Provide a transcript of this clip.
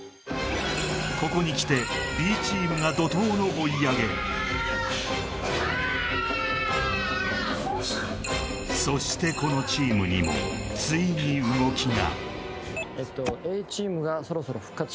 ここに来てＢチームが怒とうの追い上げそしてこのチームにもついに動きが！